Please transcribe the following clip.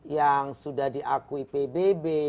yang sudah diakui pbb